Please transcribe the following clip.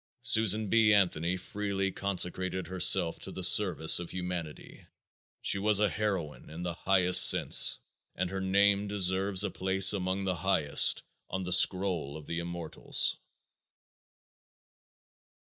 Susan B. Anthony freely consecrated herself to the service of humanity; she was a heroine in the highest sense and her name deserves a place among the highest on the scroll of the immortals.